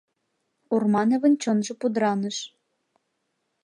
Урмановын чонжо пудраныш.